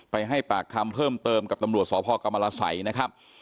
ให้ปากคำเพิ่มเติมกับตำรวจสพกรรมรสัยนะครับ